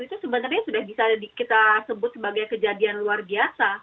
itu sebenarnya sudah bisa kita sebut sebagai kejadian luar biasa